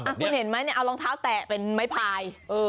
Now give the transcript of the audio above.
คุณเห็นไหมเนี่ยเอารองเท้าแตะเป็นไม้พาย